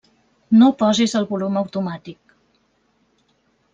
No posis el volum automàtic.